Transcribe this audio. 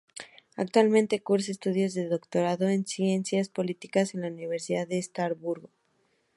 Actualmente cursa estudios de doctorado en Ciencias políticas en la Universidad de Estrasburgo.